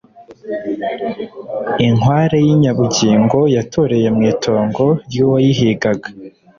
Inkware yinyabugingo yatoreye mwitongo ryuwayihigaga.